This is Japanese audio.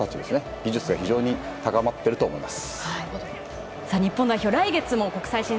技術が非常に高まってると思います。